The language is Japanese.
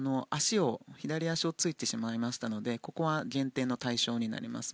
左足をついてしまいましたのでここは減点の対象になります。